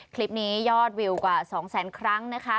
คลิปนี้ยอดวิวกว่า๒แสนครั้งนะคะ